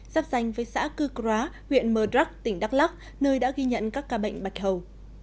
giáp danh với xã cư cắ huyện mờ đắc tỉnh đắk lắc nơi đã ghi nhận các ca bệnh bạch hầu